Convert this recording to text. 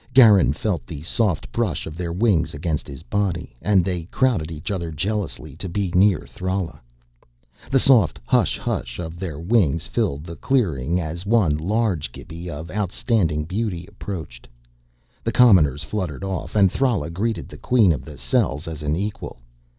Garin felt the soft brush of their wings against his body. And they crowded each other jealously to be near Thrala. The soft hush hush of their wings filled the clearing as one large Gibi of outstanding beauty approached. The commoners fluttered off and Thrala greeted the Queen of the cells as an equal.